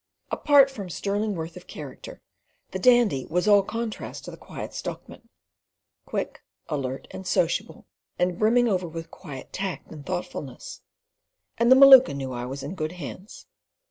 Apart from sterling worth of character, the Dandy was all contrast to the Quiet Stockman: quick, alert, and sociable, and brimming over with quiet tact and thoughtfulness, and the Maluka knew I was in good hands.